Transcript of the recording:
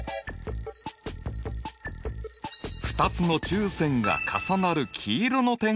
２つの中線が重なる黄色の点が重心だよ。